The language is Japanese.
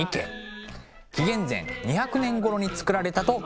紀元前２００年ごろにつくられたと考えられています。